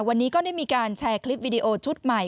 วันนี้ก็ได้มีการแชร์คลิปวิดีโอชุดใหม่